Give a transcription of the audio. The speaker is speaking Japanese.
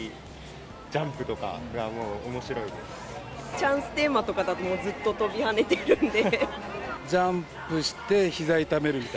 チャンステーマとかだとずっと飛び跳ねているんで。